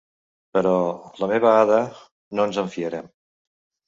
Però, la meva Ada, no ens en fiarem!